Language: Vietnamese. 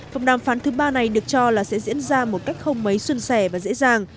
vòng đàm phán thứ ba này được cho là sẽ diễn ra một cách không mấy xuân sẻ và dễ dàng